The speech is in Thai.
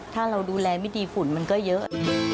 ถ้าเราดูแลไม่ดีฝุ่นมันก็เยอะ